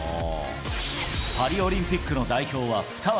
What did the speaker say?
パリオリンピックの代表は２枠。